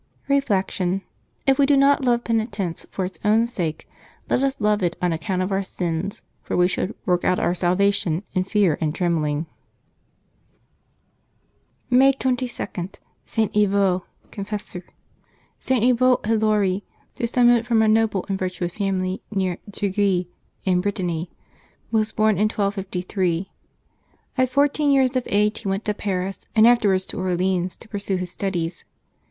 Reflection. — If we do not love penitence for its own sake, let us love it on account of our sins; for we should " work out our salvation in fear and tremblinof." May 22. ~ST. YVO, Confessor. [t. Yvo Heloki, descended from a noble and virtuous family near Treguier, in Brittany, was born in 1253. At fourteen years of age he went to Paris, and afterwards to Orleans, to pursue his studies.